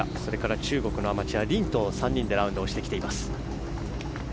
中国のアマチュア、リンと３人でラウンドしてきています。